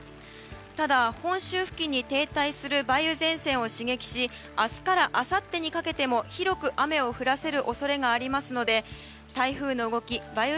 ただ、本州付近に停滞する梅雨前線を刺激し明日からあさってにかけても広く雨を降らせる恐れがありますので台風の動き梅雨